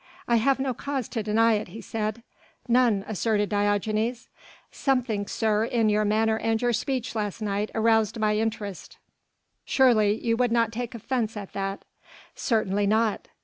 "I have no cause to deny it," he said. "None," assented Diogenes. "Something, sir, in your manner and your speech last night aroused my interest. Surely you would not take offence at that." "Certainly not."